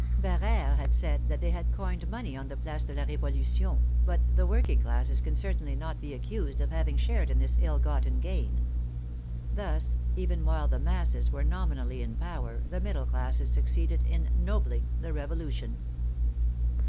Barere had said that they had coined money on the Place de la Revolution, but the working classes can certainly not be accused of having shared in this ill gotten gain. Thus, even while the masses were nominally in power, the middle classes succeeded in "nobling" the Revolu tion.